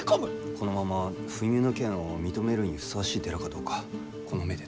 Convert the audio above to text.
このまま不入の権を認めるにふさわしい寺かどうかこの目で確かめる。